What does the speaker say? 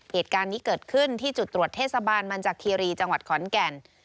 เหตุการณ์นี้เกิดขึ้นที่จุดตรวจเทศบาลมันจากคีรีจังหวัดขอนแก่น